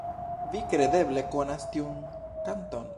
Vi kredeble konas tiun kanton?